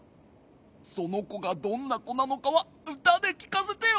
そのこがどんなこなのかはうたできかせてよ。